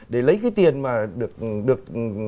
để lấy cái tiền mà được